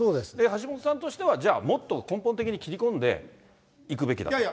橋下さんとしてはじゃあ、もっと根本的に切り込んでいくべきだと。